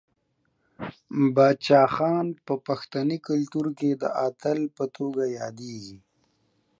باچا خان په پښتني کلتور کې د اتل په توګه یادیږي.